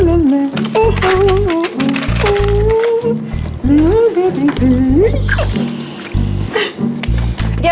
ก็วันนี้เพื่อนนัตตี้อ่ะเพื่อนนัตตี้เพื่อน